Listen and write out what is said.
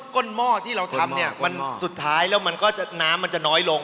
้นหม้อที่เราทำเนี่ยมันสุดท้ายแล้วมันก็น้ำมันจะน้อยลง